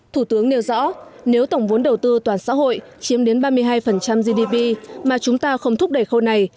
thủ tướng nêu rõ nếu tổng vốn đầu tư toàn xã hội chiếm đến ba mươi hai gdp mà chúng ta không thúc đẩy khâu này